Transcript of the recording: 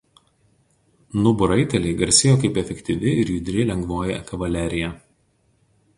Nubų raiteliai garsėjo kaip efektyvi judri lengvoji kavalerija.